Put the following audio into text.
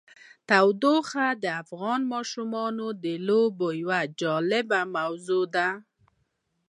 تودوخه د افغان ماشومانو د لوبو یوه جالبه موضوع ده.